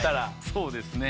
そうですね。